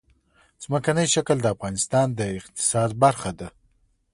ځمکنی شکل د افغانستان د اقتصاد برخه ده.